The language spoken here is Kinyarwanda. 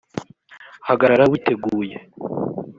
hagarara witeguye